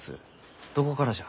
どこからじゃ？